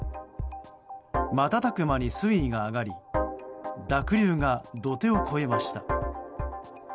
瞬く間に水位が上がり濁流が土手を越えました。